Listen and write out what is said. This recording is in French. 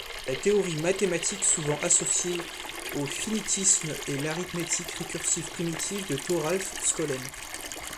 La théorie mathématique souvent associée au finitisme est l'arithmétique récursive primitive de Thoralf Skolem.